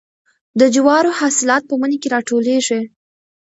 د جوارو حاصلات په مني کې راټولیږي.